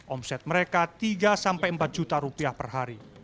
omset mereka tiga empat juta rupiah per hari